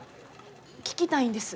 聞きたいんです。